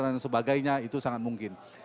dan sebagainya itu sangat mungkin